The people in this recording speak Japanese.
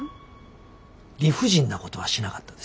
理不尽なことはしなかったです。